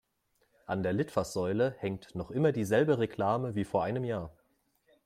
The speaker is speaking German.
An der Litfaßsäule hängt noch immer die selbe Reklame wie vor einem Jahr.